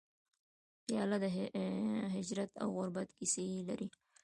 پیاله د هجرت او غربت کیسې لري.